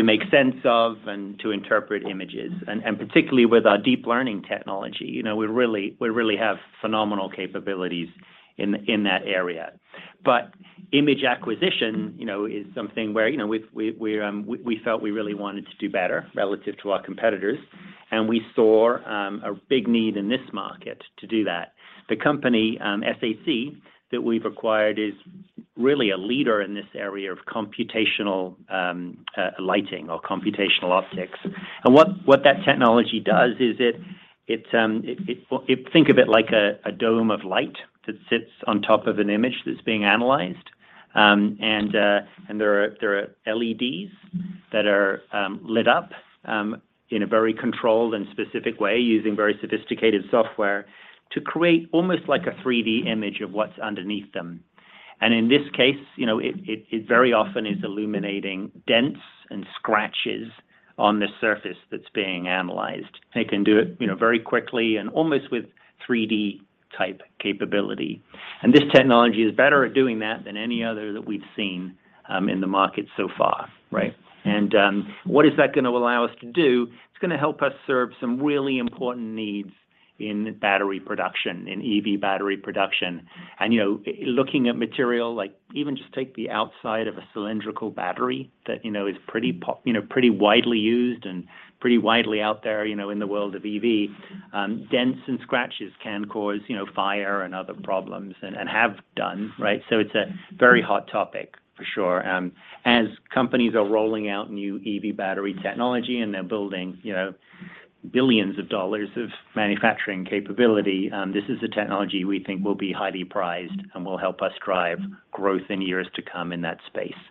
make sense of and to interpret images. Particularly with our Deep Learning technology, you know, we really have phenomenal capabilities in that area. Image acquisition, you know, is something where, you know, we felt we really wanted to do better relative to our competitors, and we saw a big need in this market to do that. The company, SAC, that we've acquired is really a leader in this area of computational lighting or computational optics. What that technology does is it, think of it like a dome of light that sits on top of an image that's being analyzed, and there are LEDs that are lit up in a very controlled and specific way using very sophisticated software to create almost like a 3D image of what's underneath them. In this case, you know, it very often is illuminating dents and scratches on the surface that's being analyzed. They can do it, you know, very quickly and almost with 3D type capability. This technology is better at doing that than any other that we've seen in the market so far, right? What is that gonna allow us to do? It's gonna help us serve some really important needs in battery production, in EV battery production. Looking at material like even just take the outside of a cylindrical battery that, you know, is pretty widely used and pretty widely out there, you know, in the world of EV, dents and scratches can cause, you know, fire and other problems and have done, right? It's a very hot topic for sure. As companies are rolling out new EV battery technology and they're building, you know, billions of dollars of manufacturing capability, this is a technology we think will be highly prized and will help us drive growth in years to come in that space.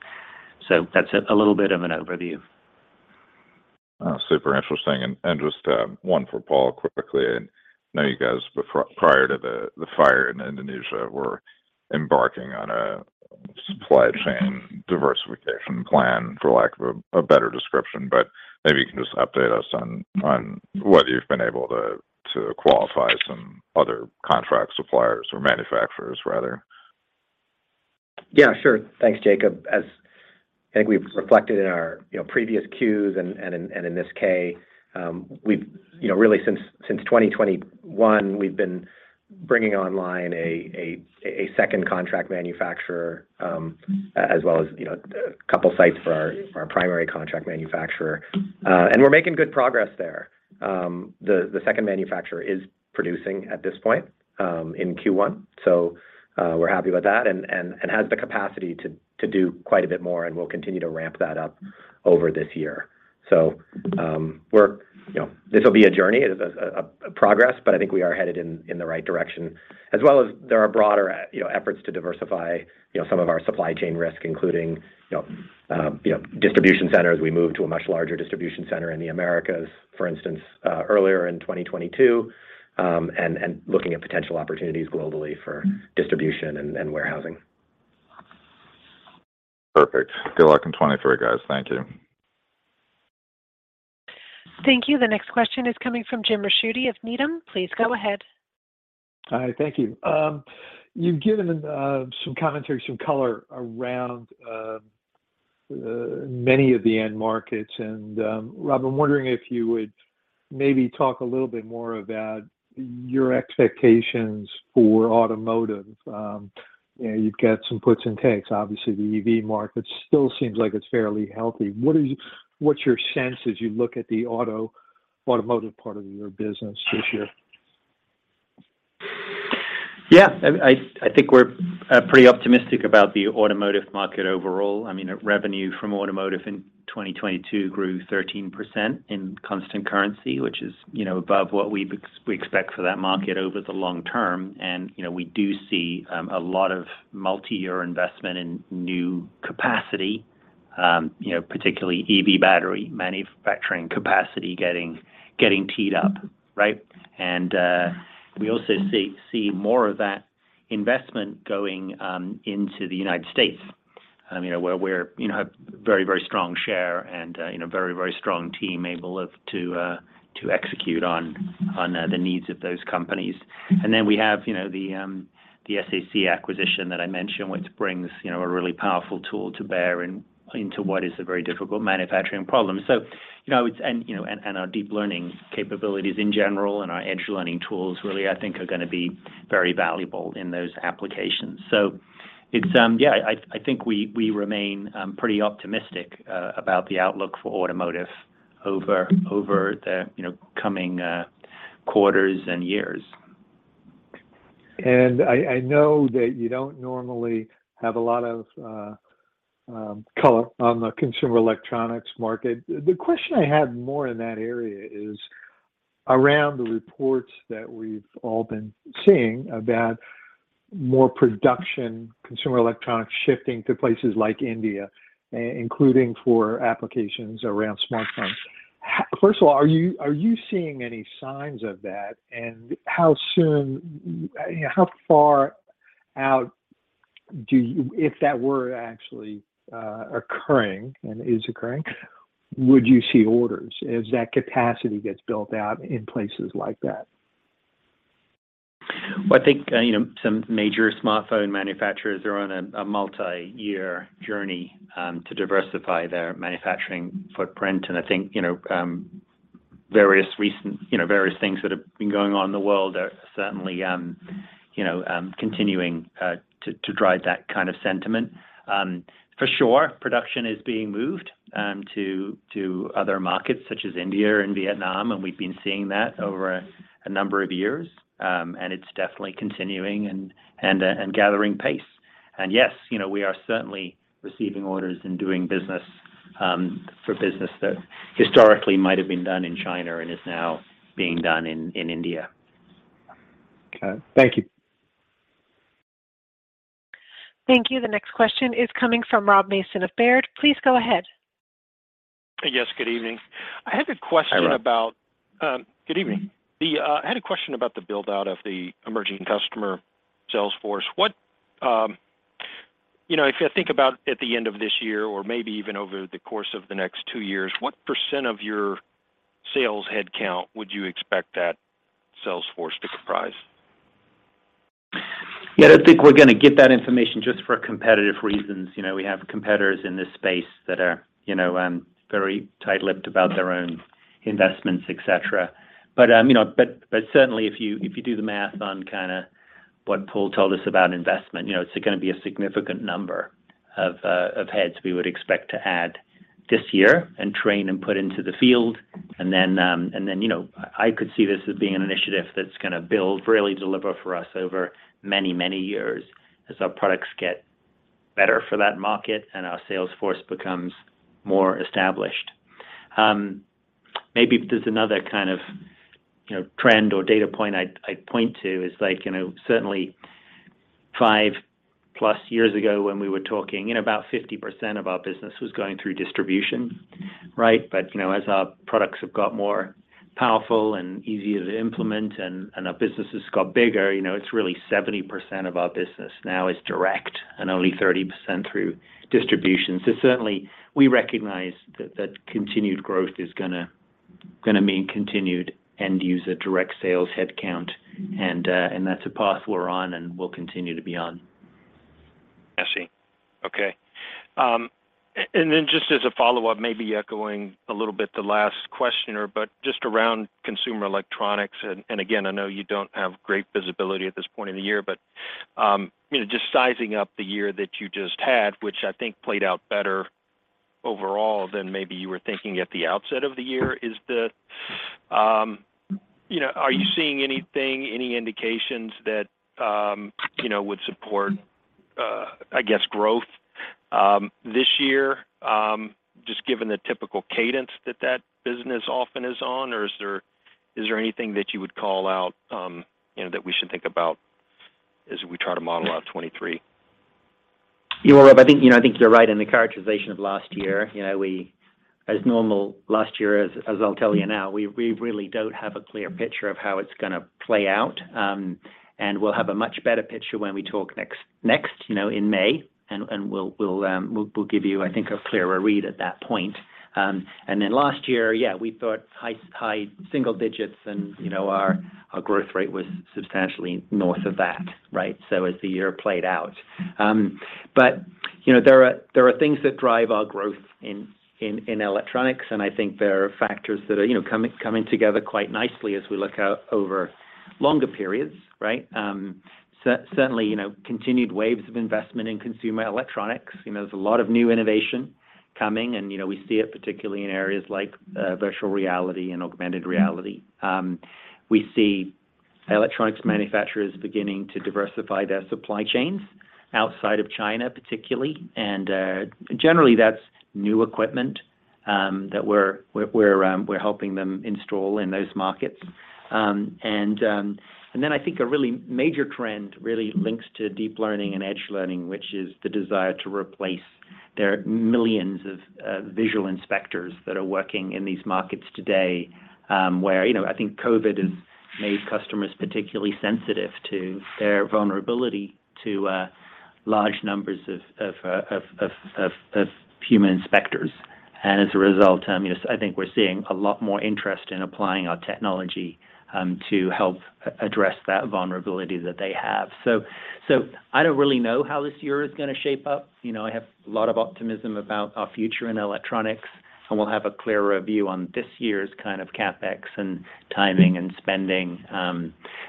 That's a little bit of an overview. Oh, super interesting. Just one for Paul quickly. I know you guys prior to the fire in Indonesia were embarking on a supply chain diversification plan, for lack of a better description. Maybe you can just update us on whether you've been able to qualify some other contract suppliers or manufacturers rather. Yeah, sure. Thanks, Jacob. As I think we've reflected in our, you know, previous Qs and in this K, we've, you know, really since 2021, we've been bringing online a second contract manufacturer, as well as, you know, a couple sites for our primary contract manufacturer. We're making good progress there. The second manufacturer is producing at this point in Q1, so we're happy about that and has the capacity to do quite a bit more and we'll continue to ramp that up over this year. We're, you know. This will be a journey. It is a progress, but I think we are headed in the right direction. There are broader you know, efforts to diversify, you know, some of our supply chain risk, including, you know, you know, distribution centers. We moved to a much larger distribution center in the Americas, for instance, earlier in 2022, and looking at potential opportunities globally for distribution and warehousing. Perfect. Good luck in 2023, guys. Thank you. Thank you. The next question is coming from Jim Ricchiuti of Needham. Please go ahead. Hi. Thank you. You've given some commentary, some color around many of the end markets. Rob, I'm wondering if you would maybe talk a little bit more about your expectations for automotive. You know, you've got some puts and takes. Obviously, the EV market still seems like it's fairly healthy. What's your sense as you look at the automotive part of your business this year? Yeah. I think we're pretty optimistic about the automotive market overall. I mean, revenue from automotive in 2022 grew 13% in constant currency, which is, you know, above what we expect for that market over the long term. You know, we do see a lot of multi-year investment in new capacity, you know, particularly EV battery manufacturing capacity getting teed up, right? We also see more of that investment going into the United States, you know, where we're, you know, have very strong share and, you know, very strong team able to execute on the needs of those companies. Then we have, you know, the SAC acquisition that I mentioned, which brings, you know, a really powerful tool to bear into what is a very difficult manufacturing problem. You know, and, you know, and our Deep Learning capabilities in general and our Edge Learning tools really, I think are gonna be very valuable in those applications. It's, yeah, I think we remain pretty optimistic about the outlook for automotive over the, you know, coming quarters and years. I know that you don't normally have a lot of color on the consumer electronics market. The question I had more in that area is around the reports that we've all been seeing about more production consumer electronics shifting to places like India, including for applications around smartphones. First of all, are you seeing any signs of that? How soon, you know, how far out do you, if that were actually occurring and is occurring, would you see orders as that capacity gets built out in places like that? Well, I think, you know, some major smartphone manufacturers are on a multi-year journey to diversify their manufacturing footprint. I think, you know, various recent, you know, various things that have been going on in the world are certainly, you know, continuing to drive that kind of sentiment. For sure, production is being moved to other markets such as India and Vietnam, and we've been seeing that over a number of years. It's definitely continuing and gathering pace. Yes, you know, we are certainly receiving orders and doing business for business that historically might have been done in China and is now being done in India. Okay. Thank you. Thank you. The next question is coming from Rob Mason of Baird. Please go ahead. Yes, good evening. Hi, Rob. I had a question about. Good evening. Mm-hmm. I had a question about the build-out of the emerging customer sales force. What, you know, if I think about at the end of this year or maybe even over the course of the next two years, what % of your sales headcount would you expect that sales force to comprise? Yeah, I don't think we're gonna give that information just for competitive reasons. You know, we have competitors in this space that are, you know, very tight-lipped about their own investments, et cetera. You know, but certainly if you, if you do the math on kinda what Paul told us about investment, you know, it's gonna be a significant number of heads we would expect to add this year and train and put into the field. Then, you know, I could see this as being an initiative that's gonna build, really deliver for us over many years as our products get better for that market and our sales force becomes more established. Maybe there's another kind of, you know, trend or data point I'd point to is like, you know, certainly 5-plus years ago when we were talking, you know, about 50% of our business was going through distribution, right? You know, as our products have got more powerful and easier to implement and our businesses got bigger, you know, it's really 70% of our business now is direct and only 30% through distribution. Certainly we recognize that that continued growth is gonna mean continued end user direct sales headcount. And that's a path we're on and will continue to be on. I see. Okay. Then just as a follow-up, maybe echoing a little bit the last questioner, but just around consumer electronics, and again, I know you don't have great visibility at this point in the year, but, you know, just sizing up the year that you just had, which I think played out better overall than maybe you were thinking at the outset of the year, is the, you know, are you seeing anything, any indications that, you know, would support, I guess growth this year, just given the typical cadence that that business often is on? Or is there anything that you would call out, you know, that we should think about as we try to model out 2023? Yeah. Well, Rob, I think, you know, I think you're right in the characterization of last year. You know, we, as normal, last year as I'll tell you now, we really don't have a clear picture of how it's gonna play out. We'll have a much better picture when we talk next, you know, in May, we'll give you, I think, a clearer read at that point. Last year, yeah, we thought high single digits and, you know, our growth rate was substantially north of that, right? As the year played out. You know, there are things that drive our growth in electronics, I think there are factors that are, you know, coming together quite nicely as we look out over longer periods, right? Certainly, you know, continued waves of investment in consumer electronics. You know, there's a lot of new innovation coming and, you know, we see it particularly in areas like virtual reality and augmented reality. We see electronics manufacturers beginning to diversify their supply chains outside of China, particularly, and generally, that's new equipment that we're helping them install in those markets. And then I think a really major trend really links to Deep Learning and Edge Learning, which is the desire to replace their millions of visual inspectors that are working in these markets today, where, you know, I think COVID has made customers particularly sensitive to their vulnerability to large numbers of human inspectors. As a result, you know, I think we're seeing a lot more interest in applying our technology to help address that vulnerability that they have. I don't really know how this year is gonna shape up. You know, I have a lot of optimism about our future in electronics, and we'll have a clearer view on this year's kind of CapEx and timing and spending.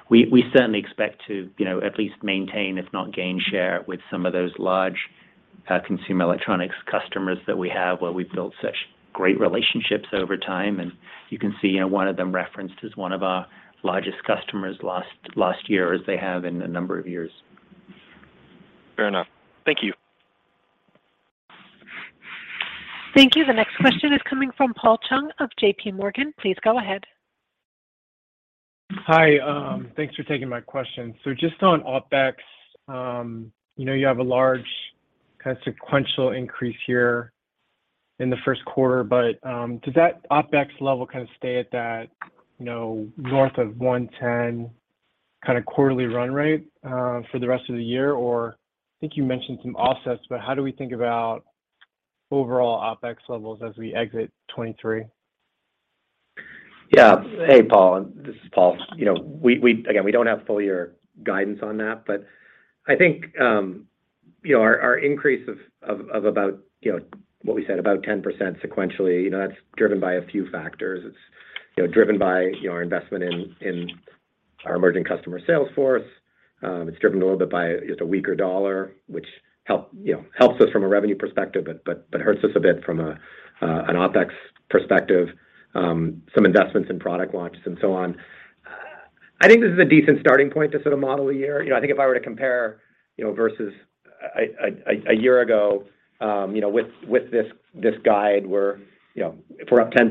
We certainly expect to, you know, at least maintain, if not gain share with some of those large consumer electronics customers that we have where we've built such great relationships over time, and you can see one of them referenced as one of our largest customers last year as they have in a number of years. Fair enough. Thank you. Thank you. The next question is coming from Paul Chung of JPMorgan. Please go ahead. Hi. Thanks for taking my question. Just on OpEx, you know, you have a large kind of sequential increase here in the first quarter, but, does that OpEx level kind of stay at that, you know, north of $110 kinda quarterly run rate for the rest of the year? I think you mentioned some offsets, but how do we think about overall OpEx levels as we exit 2023? Yeah. Hey, Paul, this is Paul. You know, we, again, we don't have full year guidance on that, but I think, you know, our increase of about, you know, what we said, about 10% sequentially, you know, that's driven by a few factors. It's, you know, driven by, you know, our investment in our emerging customer sales force. It's driven a little bit by just a weaker dollar, which help, you know, helps us from a revenue perspective, but hurts us a bit from an OpEx perspective, some investments in product launches and so on. I think this is a decent starting point to sort of model a year. You know, I think if I were to compare, you know, versus a year ago, with this guide, we're, you know, if we're up 10%,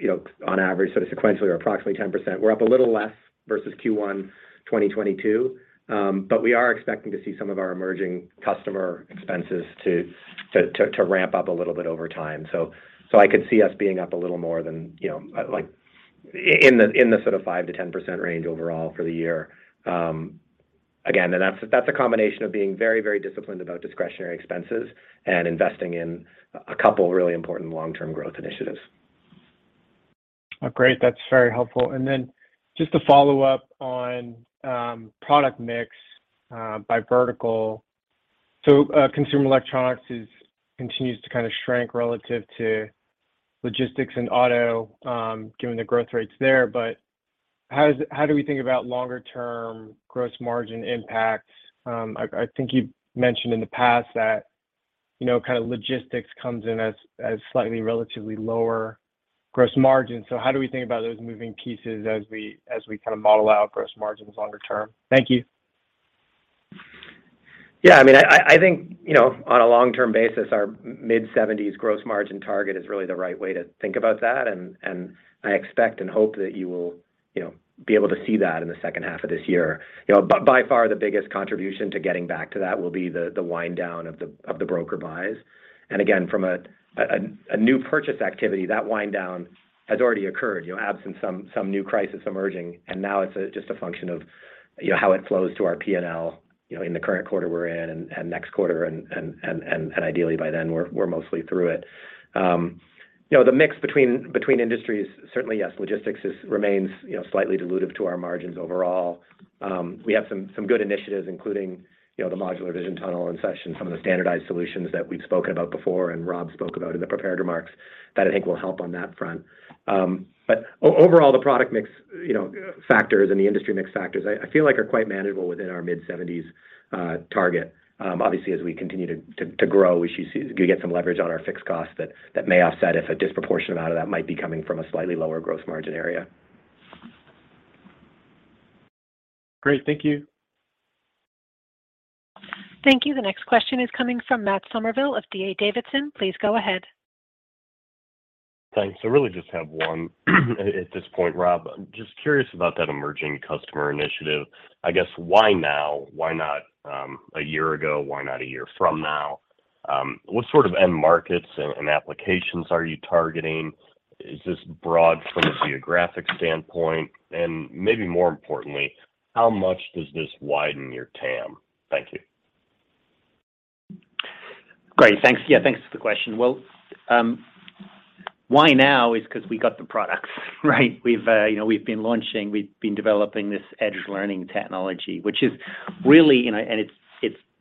you know, on average, sort of sequentially or approximately 10%, we're up a little less versus Q1 2022. We are expecting to see some of our emerging customer expenses to ramp up a little bit over time. I could see us being up a little more than, you know, like in the sort of 5%-10% range overall for the year. Again, that's a combination of being very disciplined about discretionary expenses and investing in a couple of really important long-term growth initiatives. Great. That's very helpful. Then just to follow up on product mix by vertical. Consumer electronics continues to kind of shrink relative to logistics and auto, given the growth rates there. How do we think about longer term gross margin impact? I think you've mentioned in the past that, you know, kind of logistics comes in as slightly relatively lower gross margin. How do we think about those moving pieces as we kind of model out gross margins longer term? Thank you. I mean, I think, you know, on a long-term basis, our mid-70s gross margin target is really the right way to think about that, and I expect and hope that you will, you know, be able to see that in the second half of this year. You know, by far, the biggest contribution to getting back to that will be the wind down of the broker buys. Again, from a new purchase activity, that wind down has already occurred, you know, absent some new crisis emerging, and now it's just a function of, you know, how it flows to our P&L, you know, in the current quarter we're in and next quarter, and ideally by then we're mostly through it. You know, the mix between industries, certainly, yes, logistics remains, you know, slightly dilutive to our margins overall. We have some good initiatives, including, you know, the Modular Vision Tunnel and session, some of the standardized solutions that we've spoken about before and Rob spoke about in the prepared remarks that I think will help on that front. Overall, the product mix, you know, factors and the industry mix factors I feel like are quite manageable within our mid-70s target. Obviously, as we continue to grow, we get some leverage on our fixed costs that may offset if a disproportionate amount of that might be coming from a slightly lower gross margin area. Great. Thank you. Thank you. The next question is coming from Matt Summerville of D.A. Davidson. Please go ahead. Thanks. Really just have one at this point, Rob. Just curious about that emerging customer initiative. I guess, why now? Why not a year ago? Why not a year from now? What sort of end markets and applications are you targeting? Is this broad from a geographic standpoint? Maybe more importantly, how much does this widen your TAM? Thank you. Great. Thanks. Thanks for the question. Well, why now is 'cause we got the products, right? We've, you know, we've been launching, we've been developing this Edge Learning technology, which is really, you know,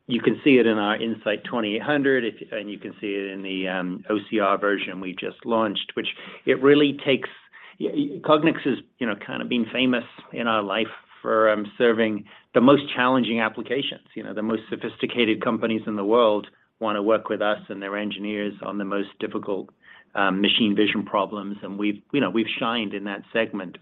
you can see it in our In-Sight 2800, and you can see it in the OCR version we just launched, which it really takes... Cognex has, you know, kind of been famous in our life for serving the most challenging applications. You know, the most sophisticated companies in the world wanna work with us and their engineers on the most difficult machine vision problems, and we've, you know, we've shined in that segment.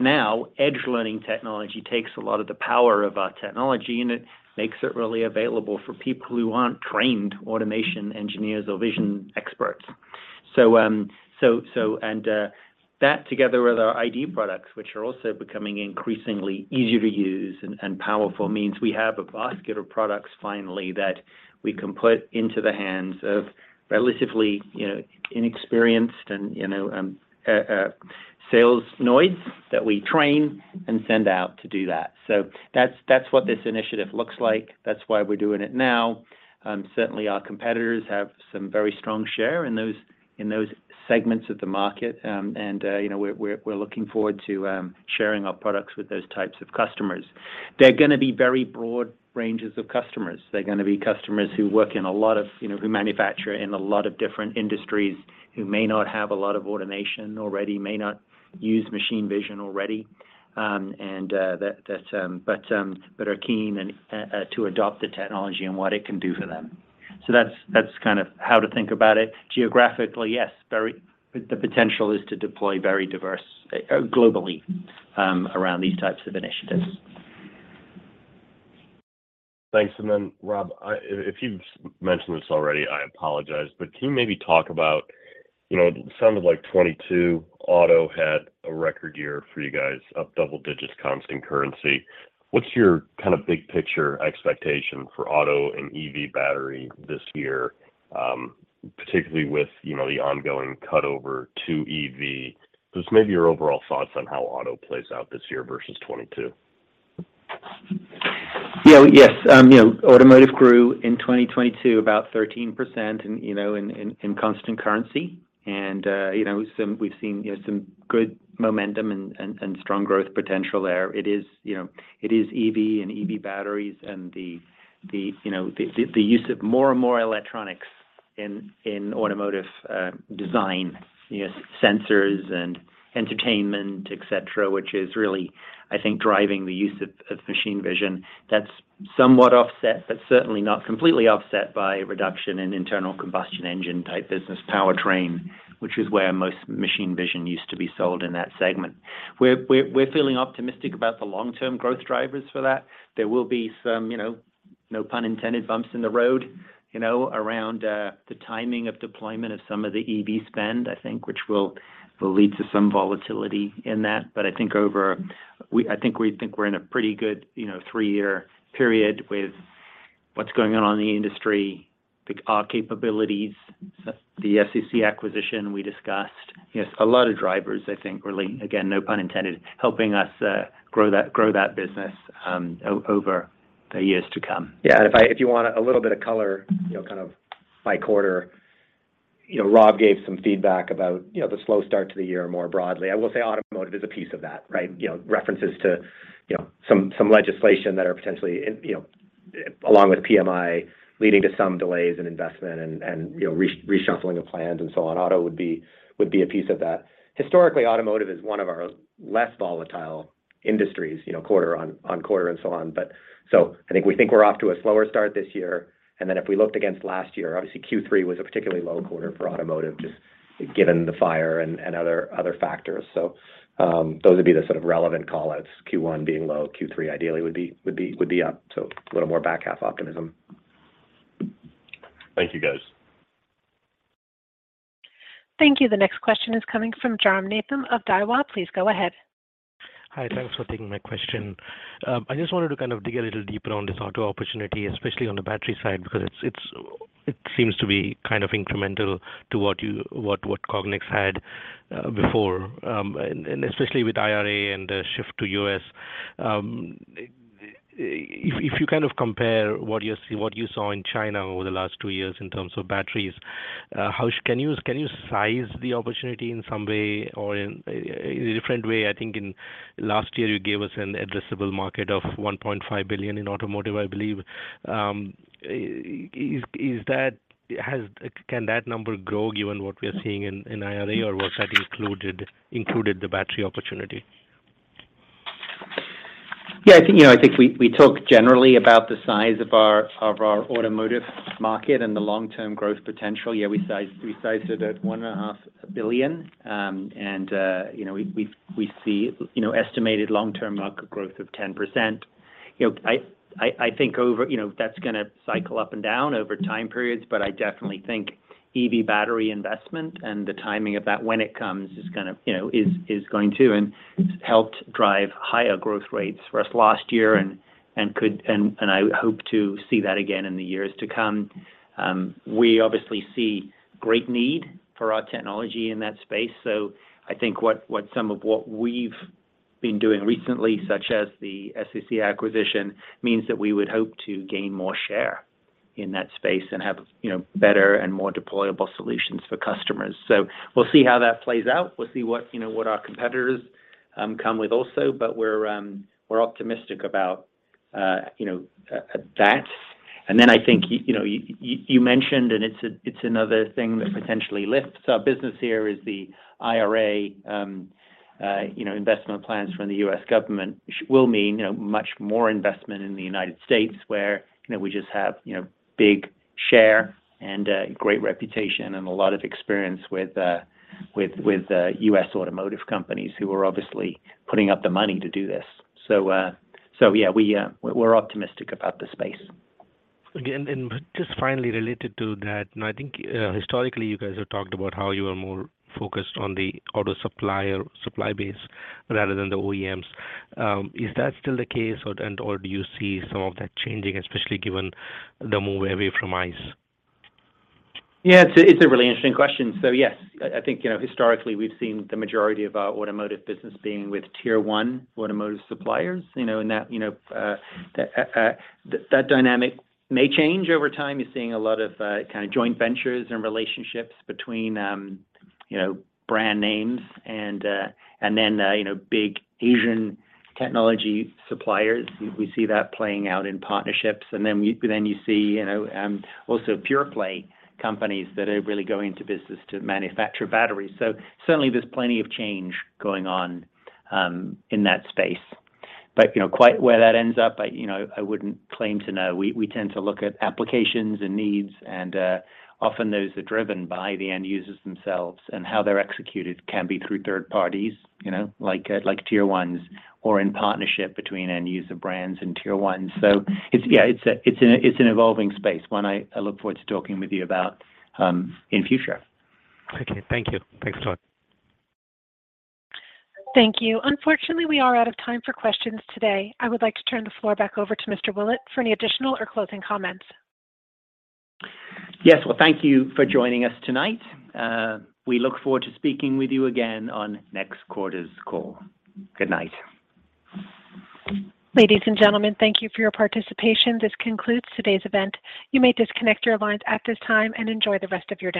Now, Edge Learning technology takes a lot of the power of our technology, and it makes it really available for people who aren't trained automation engineers or vision experts. That together with our ID products, which are also becoming increasingly easier to use and powerful, means we have a basket of products finally that we can put into the hands of relatively, you know, inexperienced and, you know, salesoids that we train and send out to do that. That's what this initiative looks like. That's why we're doing it now. Certainly our competitors have some very strong share in those segments of the market, and, you know, we're looking forward to sharing our products with those types of customers. They're gonna be very broad ranges of customers. They're gonna be customers who work in a lot of, you know, who manufacture in a lot of different industries, who may not have a lot of automation already, may not use machine vision already, and that, but are keen to adopt the technology and what it can do for them. That's, that's kind of how to think about it. Geographically, yes, very the potential is to deploy very diverse globally around these types of initiatives. Thanks. Rob, I, if you've mentioned this already, I apologize, but can you maybe talk about, you know, it sounded like 2022 auto had a record year for you guys, up double digits constant currency. What's your kind of big picture expectation for auto and EV battery this year, particularly with, you know, the ongoing cut over to EV? Just maybe your overall thoughts on how auto plays out this year versus 2022? Yeah. Yes. You know, automotive grew in 2022 about 13% in, you know, in constant currency. You know, we've seen, you know, some good momentum and strong growth potential there. It is, you know, it is EV and EV batteries and the, you know, the use of more and more electronics in automotive design, you know, sensors and entertainment, et cetera, which is really, I think, driving the use of machine vision. That's somewhat offset, but certainly not completely offset by a reduction in internal combustion engine type business powertrain, which is where most machine vision used to be sold in that segment. We're feeling optimistic about the long-term growth drivers for that. There will be some, you know, no pun intended, bumps in the road, you know, around the timing of deployment of some of the EV spend, I think, which will lead to some volatility in that. I think we think we're in a pretty good, you know, three-year period with what's going on in the industry, our capabilities, the SAC acquisition we discussed. You know, a lot of drivers, I think, really, again, no pun intended, helping us grow that, grow that business over the years to come. Yeah. If you want a little bit of color, you know, kind of by quarter, you know, Rob gave some feedback about, you know, the slow start to the year more broadly. I will say automotive is a piece of that, right? You know, references to, you know, some legislation that are potentially in, you know, along with PMI leading to some delays in investment and, you know, reshuffling of plans and so on. Auto would be a piece of that. Historically, automotive is one of our less volatile industries, you know, quarter on quarter and so on. I think we think we're off to a slower start this year, and then if we looked against last year, obviously Q3 was a particularly low quarter for automotive, just given the fire and other factors. Those would be the sort of relevant call-outs, Q1 being low, Q3 ideally would be up. So a little more back half optimism. Thank you, guys. Thank you. The next question is coming from Jairam Nathan of Daiwa. Please go ahead. Hi. Thanks for taking my question. I just wanted to kind of dig a little deeper on this auto opportunity, especially on the battery side, because it seems to be kind of incremental to what Cognex had before. Especially with IRA and the shift to U.S. If you kind of compare what you see, what you saw in China over the last two years in terms of batteries, how can you size the opportunity in some way or in a different way? I think in last year, you gave us an addressable market of $1.5 billion in automotive, I believe. Is that can that number grow given what we are seeing in IRA or was that included the battery opportunity? I think, you know, I think we talked generally about the size of our automotive market and the long-term growth potential. We sized it at one and a half billion. You know, we see, you know, estimated long-term market growth of 10%. You know, I think over, you know, that's gonna cycle up and down over time periods, but I definitely think EV battery investment and the timing of that when it comes is going to and helped drive higher growth rates for us last year and could, and I hope to see that again in the years to come. We obviously see great need for our technology in that space. I think what some of what we've been doing recently, such as the SAC acquisition, means that we would hope to gain more share in that space and have, you know, better and more deployable solutions for customers. We'll see how that plays out. We'll see what, you know, what our competitors come with also. We're optimistic about, you know, that. I think, you know, you mentioned, and it's another thing that potentially lifts our business here is the IRA, you know, investment plans from the U.S. government will mean, you know, much more investment in the United States where, you know, we just have, you know, big share and great reputation and a lot of experience with U.S. automotive companies who are obviously putting up the money to do this. Yeah, we're optimistic about the space. Okay. Just finally related to that, and I think historically, you guys have talked about how you are more focused on the auto supplier supply base rather than the OEMs. Is that still the case or do you see some of that changing, especially given the move away from ICE? Yeah, it's a really interesting question. Yes, I think, you know, historically we've seen the majority of our automotive business being with tier one automotive suppliers, you know, and that, you know, that dynamic may change over time. You're seeing a lot of kind of joint ventures and relationships between, you know, brand names and then, you know, big Asian technology suppliers. We see that playing out in partnerships. Then you see, you know, also pure play companies that are really going into business to manufacture batteries. Certainly there's plenty of change going on in that space. You know, quite where that ends up, I wouldn't claim to know. We tend to look at applications and needs, and often those are driven by the end users themselves, and how they're executed can be through third parties, you know, like tier ones or in partnership between end user brands and tier ones. It's an evolving space, one I look forward to talking with you about in future. Okay. Thank you. Thanks a lot. Thank you. Unfortunately, we are out of time for questions today. I would like to turn the floor back over to Mr. Willett for any additional or closing comments. Yes. Well, thank you for joining us tonight. We look forward to speaking with you again on next quarter's call. Good night. Ladies and gentlemen, thank you for your participation. This concludes today's event. You may disconnect your lines at this time and enjoy the rest of your day.